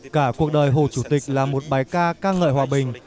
cả cuộc đời hồ chủ tịch là một bài ca ca ngợi hòa bình